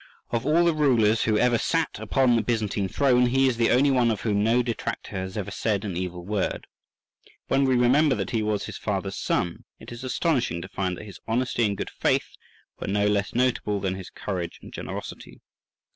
Of all the rulers who ever sat upon the Byzantine throne, he is the only one of whom no detractor has ever said an evil word. When we remember that he was his father's son, it is astonishing to find that his honesty and good faith were no less notable than his courage and generosity.